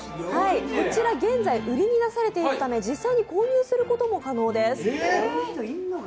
こちら現在、売りに出されているため実際に購入することも可能です。